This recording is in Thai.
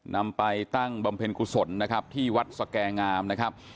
นำไปตั้งบำเพ็ญกุศลนะครับที่วัดสแก่งามนะครับ